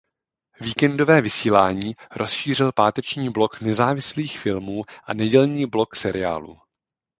Víkendové vysílání rozšířil páteční blok nezávislých filmů a nedělní blok seriálů.